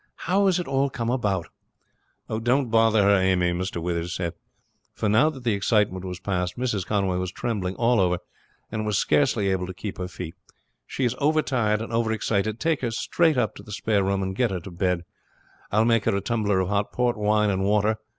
How has it all come about?" "Don't bother her, Amy," Mr. Withers said; for now that the excitement was past Mrs. Conway was trembling all over, and was scarcely able to keep her feet. "She is overtired and overexcited. Take her straight up to the spare room and get her to bed. I will make her a tumbler of hot port wine and water.